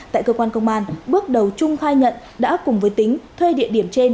tại cơ quan công an bước đầu trung khai nhận đã cùng với tính thuê địa điểm trên